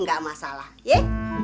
gak masalah ye